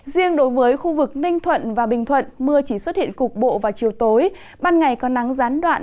riêng đối với khu vực ninh thuận và bình thuận mưa chỉ xuất hiện cục bộ vào chiều tối ban ngày có nắng gián đoạn